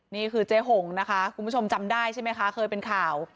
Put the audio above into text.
นี่คือเจ๊หงนะคะคุณผู้ชมจำได้ใช่ไหมคะเคยเป็นข่าว